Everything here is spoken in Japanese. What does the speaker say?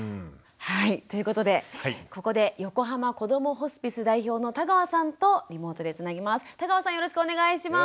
はいということでここで横浜こどもホスピス代表の田川さんとリモートでつなぎます。